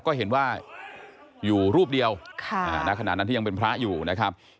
ก็เห็นว่าอยู่รูปเดียวณขณะนั้นที่ยังเป็นพระอยู่นะครับ